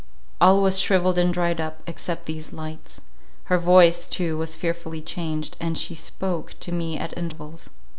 All was shrivelled and dried up, except these lights; her voice too was fearfully changed, as she spoke to me at intervals.